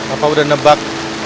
apa udah nebak